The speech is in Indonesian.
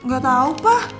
gak tahu pak